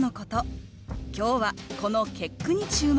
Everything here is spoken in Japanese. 今日はこの結句に注目です